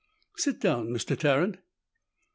"Sit down, Mr. Tarrant." Mr.